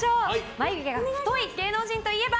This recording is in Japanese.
眉毛が太い芸能人といえば？